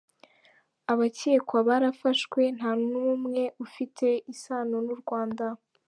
Abakekwa barafashwe, nta n’umwe ufite isano n’U Rwanda.